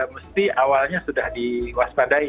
mesti awalnya sudah diwaspadai